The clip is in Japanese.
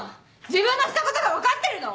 自分のしたことが分かってるの？